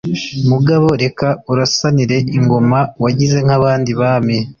Mugabo reka urasanire ingoma wagize nk'abandi Bami